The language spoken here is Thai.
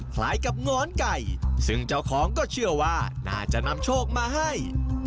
คล้ายกับหงอนไก่ซึ่งเจ้าของก็เชื่อว่าน่าจะนำโชคมาให้